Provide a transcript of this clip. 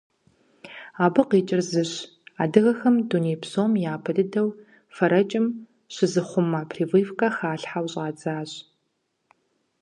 Абы къикӏыр зыщ: адыгэхэм дуней псом япэ дыдэу фэрэкӏым щызыхъумэ прививкэ халъхьэу щӏадзащ.